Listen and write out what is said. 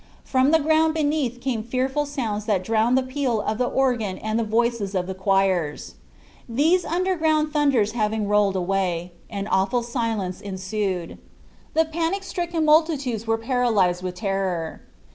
From the ground beneath came fearful sounds that drowned the peal of the organ and the voices of the choirs. These underground thunders having rolled away, an awful silence ensued. The panic stricken multitudes were paralyzed with terror.